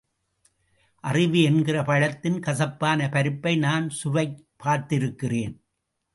அறிவு என்கிற பழத்தின் கசப்பான பருப்பை நான் சுவை பார்த்திருக்கிறேன்.